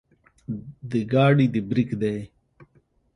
د ګاډي د برېک دے